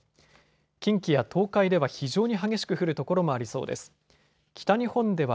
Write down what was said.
近畿や東海では非常に激しく降る所もありそうです。